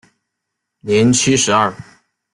年七十二。